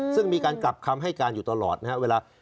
ซึ่งมีการกลับคำให้การอยู่ตลอดนะครับเวลา